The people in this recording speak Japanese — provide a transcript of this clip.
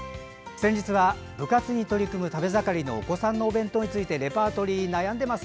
先日は部活に取り組む食べ盛りのお子さんのお弁当についてレパートリー悩んでます。